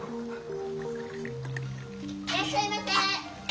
いらっしゃいませ！